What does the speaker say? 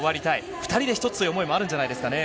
２人で１つという思いもあるんじゃないでしょうかね。